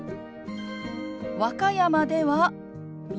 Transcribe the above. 和歌山では「水」。